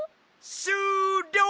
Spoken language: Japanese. しゅうりょう！